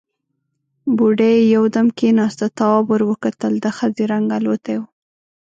بوډۍ يودم کېناسته، تواب ور وکتل، د ښځې رنګ الوتی و.